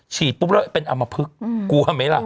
ฉีดปุ๊บแล้วเป็นอำมพลึกกลัวไหมล่ะ